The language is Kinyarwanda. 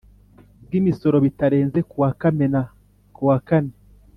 bw Imisoro bitarenze ku wa Kamena ku wa kane